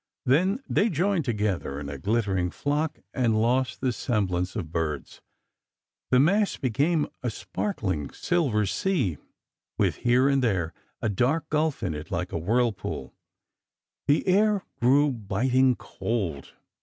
Then they joined together in a glittering flock, and lost the sem blance of birds. The mass became a sparkling silver sea, with here and there a dark gulf in it like a whirlpool. The air grew biting cold.